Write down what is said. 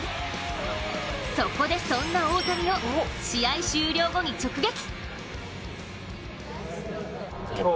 そこで、そんな大谷を試合終了後に直撃。